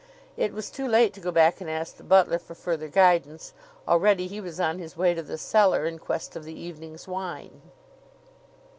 It was too late to go back and ask the butler for further guidance; already he was on his way to the cellar in quest of the evening's wine.